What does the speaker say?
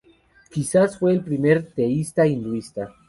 Quizá fue el primer teísta hinduista.